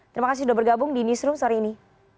terima kasih sudah bergabung di newsroom sore ini